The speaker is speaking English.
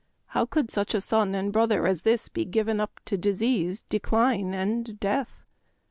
How could such a son and brother as this be given up to disease, de cline, and death